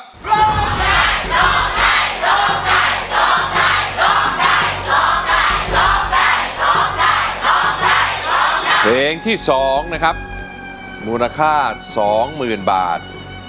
ร้องได้ร้องได้ร้องได้เพลงที่สองนะครับมูลค่าสองหมื่นบาท